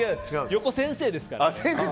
横、先生ですから。